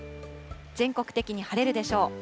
全国的に晴れるでしょう。